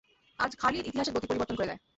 আজ খালিদ ইতিহাসের গতি পরিবর্তন করে দেয়।